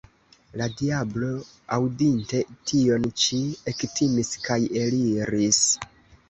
La diablo, aŭdinte tion ĉi, ektimis kaj eliris.